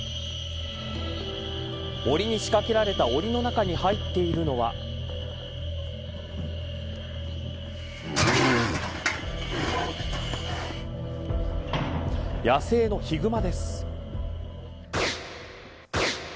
森に仕掛けられたおりの中に入っているのは野生のヒグマです。